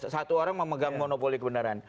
satu orang memegang monopoli kebenaran